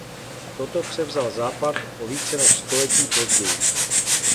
Toto převzal Západ o více než století později.